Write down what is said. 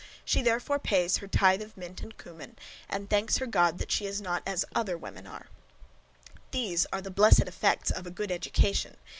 She therefore pays her tythe of mint and cummin, and thanks her God that she is not as other women are. These are the blessed effects of a good education!